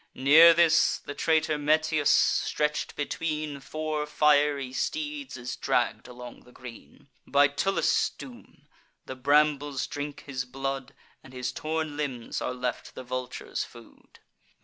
Near this, the traitor Metius, stretch'd between Four fiery steeds, is dragg'd along the green, By Tullus' doom: the brambles drink his blood, And his torn limbs are left the vulture's food.